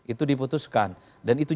itu diputuskan dan itu